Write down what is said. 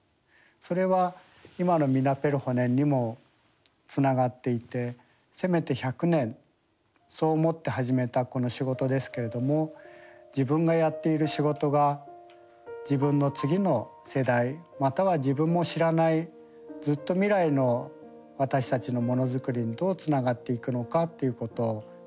それは今の「ミナペルホネン」にもつながっていてせめて１００年そう思って始めたこの仕事ですけれども自分がやっている仕事が自分の次の世代または自分も知らないずっと未来の私たちのものづくりにどうつながっていくのかということを考えるようになりました。